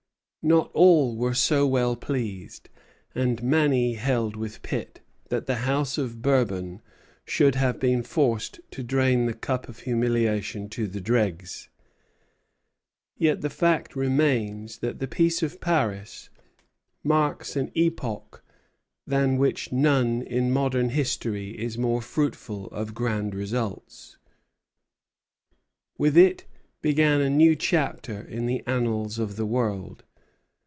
Not all were so well pleased, and many held with Pitt that the House of Bourbon should have been forced to drain the cup of humiliation to the dregs. Yet the fact remains that the Peace of Paris marks an epoch than which none in modern history is more fruitful of grand results. With it began a new chapter in the annals of the world.